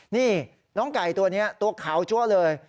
นี่น้องไก่ตัวนี้ตัวขาวจั๊วเลย